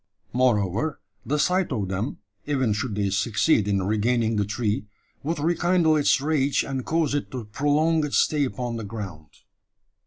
Moreover, the sight of them even should they succeed in regaining the tree would rekindle its rage, and cause it to prolong its stay upon the ground.